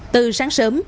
từ sáng sớm